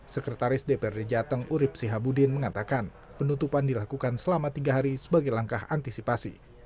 sekretaris dprd jateng urib sihabudin mengatakan penutupan dilakukan selama tiga hari sebagai langkah antisipasi